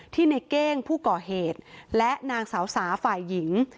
ในเก้งผู้ก่อเหตุและนางสาวสาฝ่ายหญิง